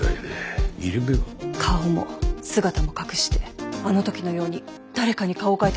顔も姿も隠してあの時のように誰かに顔を変えて私たちのそばに。